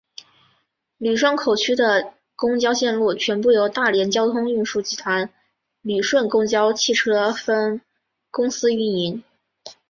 旅顺口区的公交线路全部由大连交通运输集团旅顺公交汽车分公司运营。